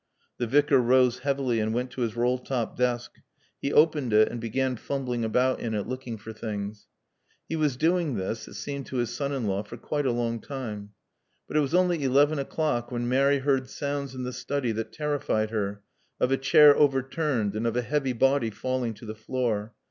The Vicar rose heavily and went to his roll top desk. He opened it and began fumbling about in it, looking for things. He was doing this, it seemed to his son in law, for quite a long time. But it was only eleven o'clock when Mary heard sounds in the study that terrified her, of a chair overturned and of a heavy body falling to the floor.